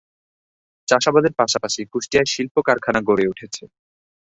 চাষাবাদের পাশাপাশি কুষ্টিয়ায় শিল্প কারখানা গড়ে উঠেছে।